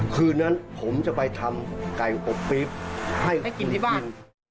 คืนนั้นผมจะไปทำไก่อบปี๊บให้คุณกิน